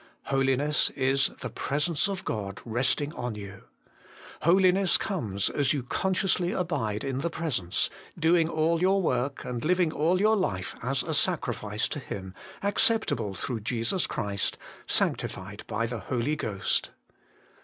Holiness is the Presence of God resting on you. Holiness comes as you consciously abide in that Presence, doing all your work, and living all your life as a sacrifice to Him, acceptable 250 HOLY IN CHRIST. through Jesus Christ, sanctified by the Holy Ghost.